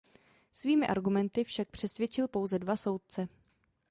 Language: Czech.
Svými argumenty však přesvědčil pouze dva soudce.